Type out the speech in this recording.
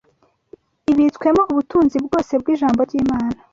ibitswemo ubutunzi bwose bw’ijambo ry’Imana